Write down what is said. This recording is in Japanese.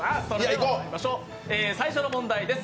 最初の問題です。